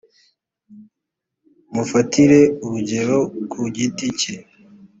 mufatire urugero ku giti cye